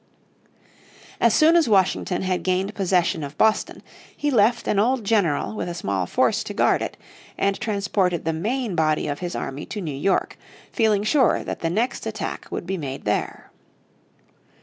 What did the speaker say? As soon as Washington had gained possession of Boston he left an old general with a small force to guard it, and transported the main body of his army to New York, feeling sure that the next attack would be made there.